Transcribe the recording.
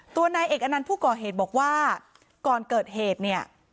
นายเอกอนันต์ผู้ก่อเหตุบอกว่าก่อนเกิดเหตุเนี่ย